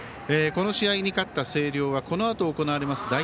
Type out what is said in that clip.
この試合に勝った星稜はこのあと行われます